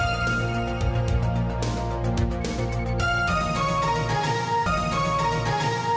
โปรโมชั่นเอาใจจัดโปรโมชั่นเอาใจของยามาฮ่า